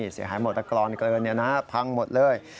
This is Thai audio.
เสียหายหมดและกรอนเกลือเนี่ยนะพังหมดเลย